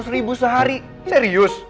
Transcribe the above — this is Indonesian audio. tiga ratus ribu sehari serius